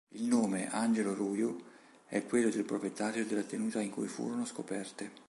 Il nome, Angelo Ruju, è quello del proprietario della tenuta in cui furono scoperte.